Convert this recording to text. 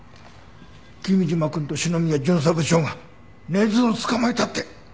君嶋くんと篠宮巡査部長が根津を捕まえたって！